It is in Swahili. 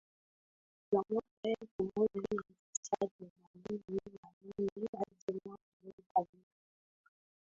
ya mwaka elfu moja mia tisa themanini na nane hadi mwaka elfu moja mia